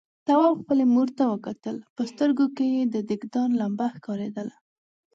تواب خپلې مور ته وکتل، په سترګوکې يې د دېګدان لمبه ښکارېدله.